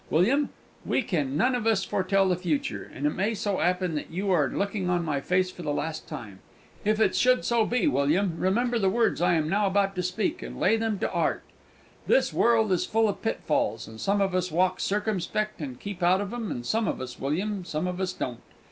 William, we can none of us foretell the future; and it may so 'appen that you are looking on my face for the last time. If it should so be, William, remember the words I am now about to speak, and lay them to 'art!... This world is full of pitfalls; and some of us walk circumspect and keep out of 'em, and some of us, William some of us don't.